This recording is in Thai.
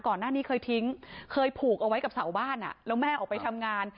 ก่อนหน้านี้เคยทิ้งเคยผูกเอาไว้กับเสาบ้านแล้วแม่ออกไปทำงาน